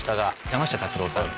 山下達郎さん